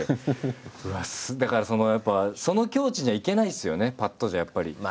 だからやっぱその境地にはいけないですよねぱっとじゃやっぱり。